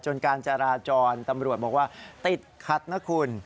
การจราจรตำรวจบอกว่าติดขัดนะคุณ